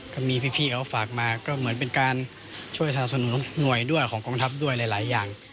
ก็มีพี่เขาฝากมาก็เหมือนเป็นการช่วยสนับสนุนหน่วยด้วยของกองทัพด้วยหลายอย่าง